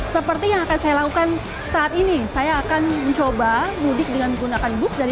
seperti yang akan saya lakukan saat ini saya akan mencoba mudik dengan menggunakan bus dari